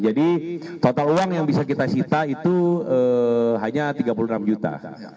jadi total uang yang bisa kita cita itu hanya rp tiga puluh enam juta